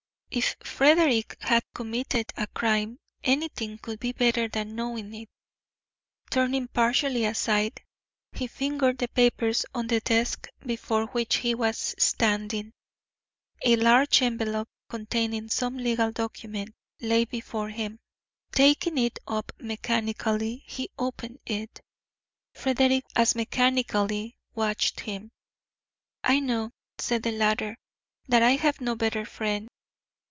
If Frederick had committed a crime, anything would be better than knowing it. Turning partially aside, he fingered the papers on the desk before which he was standing. A large envelope, containing some legal document, lay before him. Taking it up mechanically, he opened it. Frederick as mechanically watched him. "I know," said the latter, "that I have no better friend.